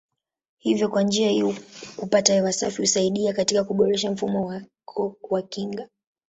Hivyo kwa njia hii kupata hewa safi husaidia katika kuboresha mfumo wako wa kinga.